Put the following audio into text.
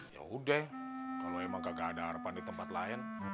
yaudah kalau emang gak ada arepan di tempat lain